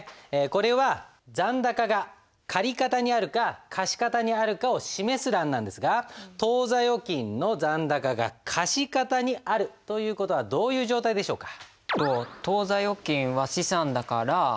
これは残高が借方にあるか貸方にあるかを示す欄なんですが当座預金の残高が貸方にあるという事はどういう状態でしょうか？